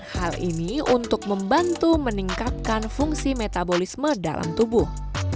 hal ini untuk membantu meningkatkan fungsi metabolisme dalam tubuh